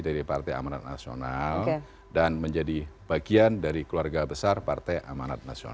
dari partai amanat nasional dan menjadi bagian dari keluarga besar partai amanat nasional